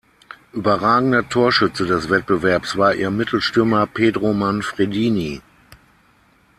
Überragender Torschütze des Wettbewerbs war ihr Mittelstürmer Pedro Manfredini.